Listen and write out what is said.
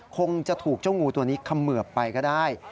คงจะถูกเจ้างูตัวนี้เขมือบไปก็ได้